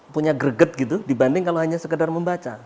punya greget gitu dibanding kalau hanya sekedar membaca